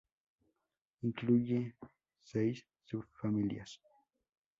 Incluye seis subfamilias.